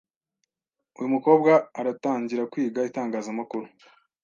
uyu mukobwa aratangira kwiga itangazamakuru.